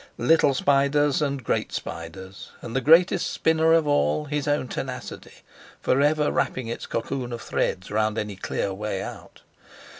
Little spiders—and great spiders! And the greatest spinner of all, his own tenacity, for ever wrapping its cocoon of threads round any clear way out.